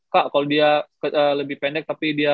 kak kalau dia lebih pendek tapi dia